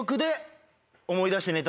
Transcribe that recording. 思い出して。